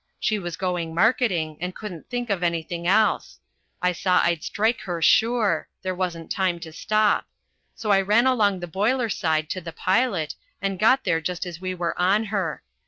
She was going marketing, and couldn't think of anything else. I saw I'd strike her sure there wasn't time to stop so I ran along the boiler side to the pilot, and got there just as we were on her.